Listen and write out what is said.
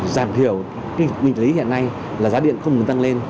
giảm thiểu kinh tế hiện nay là giá điện không được tăng lên